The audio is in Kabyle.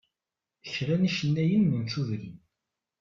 Kra n yicennayen n tudrin.